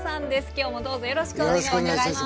今日もどうぞよろしくお願いいたします。